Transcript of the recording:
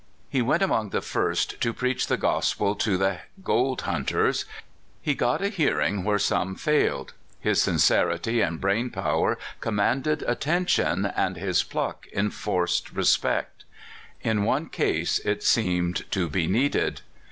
He went among the first to preach the gospel to the gold hunters. He got a hearing where some failed. His sincerity and brain power commanded attention, and his pluck en forced respect. In one case it seemed to be needed.